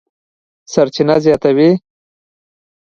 سرچینه زیاتوي،